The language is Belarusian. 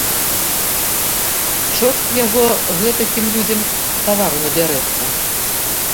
Чорт яго гэтакім людзям тавару набярэцца!